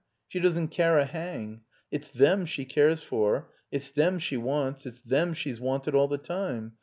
She doesn't care a hang. It's them she cares for. It's them she wants. It's them she's wanted all the time.